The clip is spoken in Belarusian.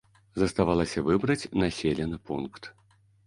Заставалася выбраць населены пункт.